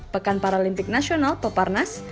pekan paralympic nasional peparnas